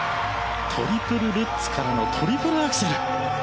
トリプルルッツからのトリプルアクセル。